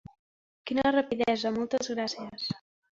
Quina rapidesa, moltes gràcies.